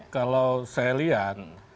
kalau saya lihat